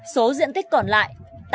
số diện tích còn lại